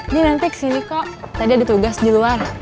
ini nanti kesini kok tadi ada tugas di luar